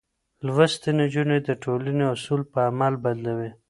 لوستې نجونې د ټولنې اصول په عمل بدلوي.